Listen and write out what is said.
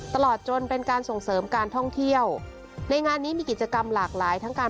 ตลอดจนเป็นการส่งเสริมการท่องเที่ยวในงานนี้มีกิจกรรมหลากหลายทั้งการ